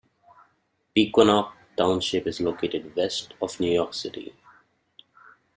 Pequannock Township is located west of New York City.